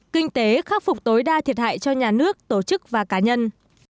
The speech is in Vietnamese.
kinh tế khắc phục tối đa thiệt hại cho nhà nước tổ chức và cá nhân